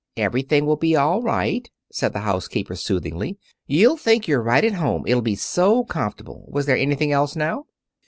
"Everything will be all right," said the housekeeper, soothingly. "You'll think you're right at home, it'll be so comfortable. Was there anything else, now?"